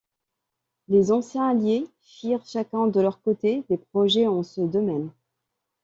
Les anciens Alliés firent chacun de leur côté des projets en ce domaine.